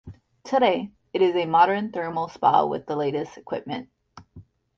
Today, it is a modern thermal spa with the latest equipment.